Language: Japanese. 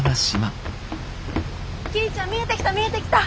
桐ちゃん見えてきた見えてきた！